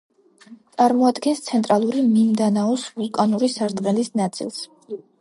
წარმოადგენს ცენტრალური მინდანაოს ვულკანური სარტყელის ნაწილს.